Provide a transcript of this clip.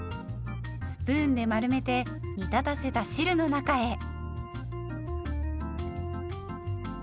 スプーンで丸めて煮立たせた汁の中へ。